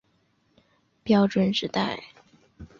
标准纸袋是由牛皮纸制成的。